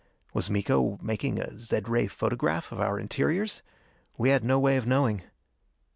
Was Miko making a zed ray photograph of our interiors? We had no way of knowing.